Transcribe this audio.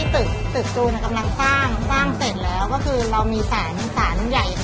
คือเรื่องจากร้านเนี่ยมันเป็นทางสาวแท่งใช่ไหม